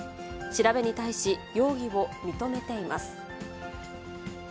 調べに対し容疑を認めています。